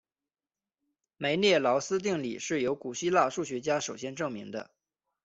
梅涅劳斯定理是由古希腊数学家首先证明的。